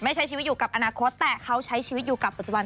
ใช้ชีวิตอยู่กับอนาคตแต่เขาใช้ชีวิตอยู่กับปัจจุบัน